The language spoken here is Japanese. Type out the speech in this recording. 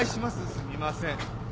すみません。